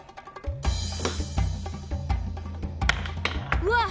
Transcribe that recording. うわっ！